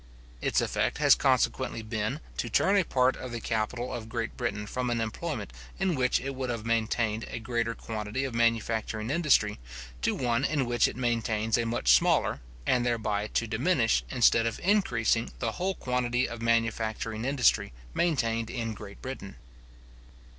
Its effect has consequently been, to turn a part of the capital of Great Britain from an employment in which it would have maintained a greater quantity of manufacturing industry, to one in which it maintains a much smaller, and thereby to diminish, instead of increasing, the whole quantity of manufacturing industry maintained in Great Britain.